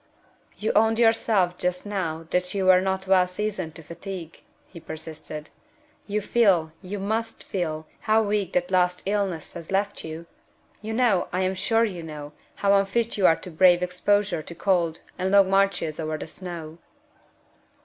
"You owned yourself just now that you were not well seasoned to fatigue," he persisted. "You feel (you must feel) how weak that last illness has left you? You know (I am sure you know) how unfit you are to brave exposure to cold, and long marches over the snow."